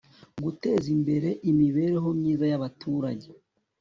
guteza imbere imibereho myiza y abaturage